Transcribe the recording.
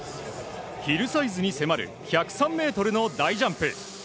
ヒルサイズに迫る１０３メートルの大ジャンプ。